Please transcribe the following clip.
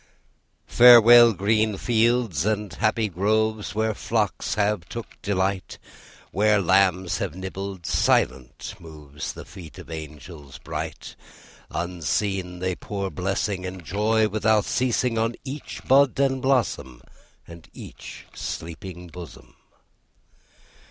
Farewell, green fields and happy groves, Where flocks have took delight, Where lambs have nibbled, silent moves The feet of angels bright; Unseen, they pour blessing, And joy without ceasing, On each bud and blossom, And each sleeping bosom.